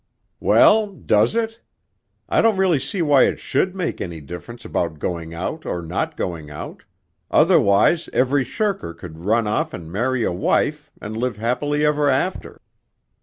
'Well, does it? I don't really see why it should make any difference about going out, or not going out ... otherwise every shirker could run off and marry a wife, and live happily ever after....